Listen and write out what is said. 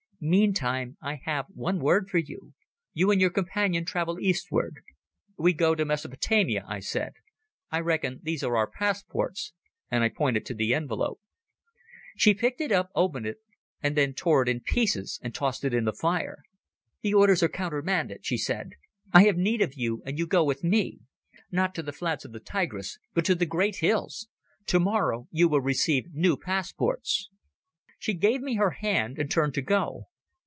Meantime I have one word for you. You and your companion travel eastward." "We go to Mesopotamia," I said. "I reckon these are our passports," and I pointed to the envelope. She picked it up, opened it, and then tore it in pieces and tossed it in the fire. "The orders are countermanded," she said. "I have need of you and you go with me. Not to the flats of the Tigris, but to the great hills. Tomorrow you will receive new passports." She gave me her hand and turned to go.